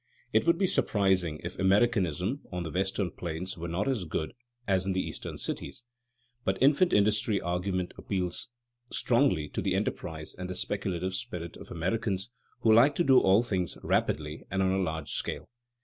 It would be surprising if Americanism on the Western plains were not as good as in the Eastern cities. But the infant industry argument appeals strongly to the enterprise and the speculative spirit of Americans, who like to do all things rapidly and on a large scale.